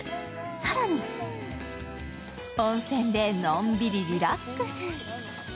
更に、温泉でのんびりリラックス。